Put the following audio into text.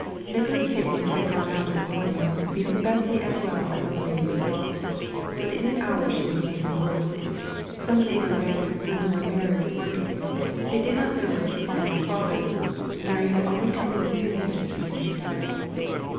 Nicholas Higgins had gone out in the morning, leaving Bessy as well as on the day before. But in an hour she was taken worse; some neighbour ran to the room where Mary was working; they did not know where to find her father; Mary had only come in a few minutes before she died.